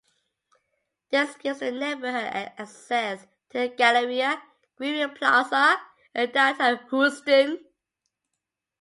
This gives the neighborhood access to The Galleria, Greenway Plaza, and Downtown Houston.